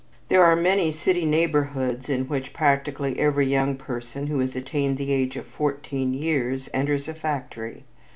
There are many city neighborhoods in which practically every young person who has attained the age of fourteen years enters a factory.